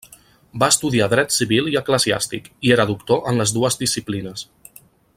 Va estudiar dret civil i eclesiàstic, i era doctor en les dues disciplines.